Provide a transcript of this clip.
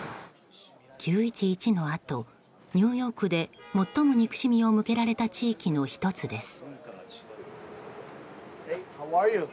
９・１１のあと、ニューヨークで最も憎しみを向けられた地域の１つです。